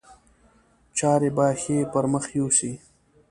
چارې به ښې پر مخ یوسي.